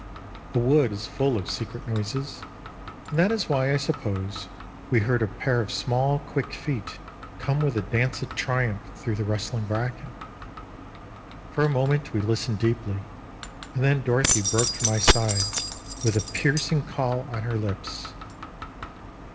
A wood is full of secret noises, and that is why, I suppose, we heard a pair of small quick feet come with a dance of triumph through the rustling bracken. For a minute we listened deeply, and then Dorothy broke from my side with a piercing call on her lips.